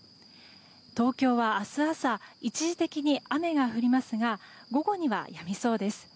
東京は明日朝、一時的に雨が降りますが午後にはやみそうです。